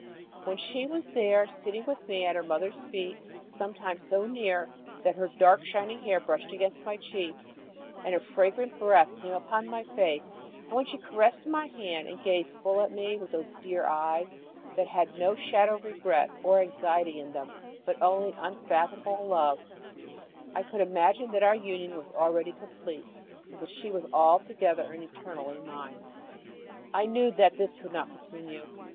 When she was there, sitting with me at her mother's feet, sometimes so near that her dark, shining hair brushed against my cheek, and her fragrant breath came on my face; and when she caressed my hand, and gazed full at me with those dear eyes that had no shadow of regret or anxiety in them, but only unfathomable love, I could imagine that our union was already complete, that she was altogether and eternally mine. I knew that this could not continue.